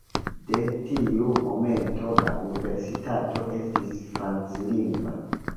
De tiu momento la universitato estis franclingva.